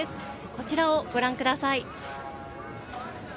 こちらをご覧ください。